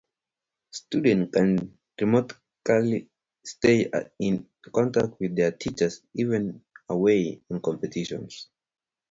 Students can remotely stay in contact with their teachers, even when away on competitions.